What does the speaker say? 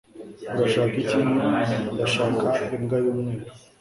"Urashaka iki?" "Ndashaka imbwa yumweru."